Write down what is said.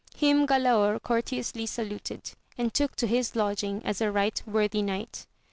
Him Galaor courteously saluted, and took to his lodging as a right worthy knight.